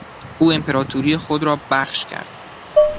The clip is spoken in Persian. او امپراطوری خود را بخش کرد.